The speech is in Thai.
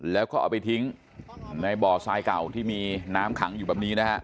แล้วก็เอาไปทิ้งในบ่อทรายเก่าที่มีน้ำขังอยู่แบบนี้นะฮะ